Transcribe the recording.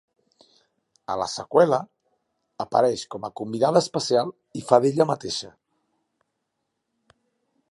A la seqüela, apareix com a convidada especial i fa d'ella mateixa.